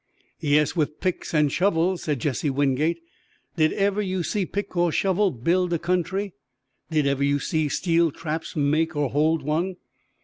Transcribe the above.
"Yes, with picks and shovels," said Jesse Wingate. "Did ever you see pick or shovel build a country? Did ever you see steel traps make or hold one?